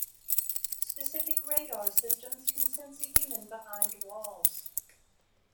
Specific radar systems can sense a human behind walls.